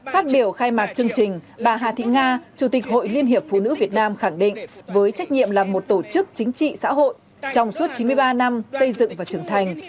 phát biểu khai mạc chương trình bà hà thị nga chủ tịch hội liên hiệp phụ nữ việt nam khẳng định với trách nhiệm là một tổ chức chính trị xã hội trong suốt chín mươi ba năm xây dựng và trưởng thành